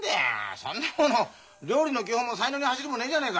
そんなもの料理の基本も才能に走るもねえじゃねえか。